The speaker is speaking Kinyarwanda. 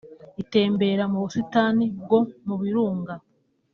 itembera mu busitani bwo mu birunga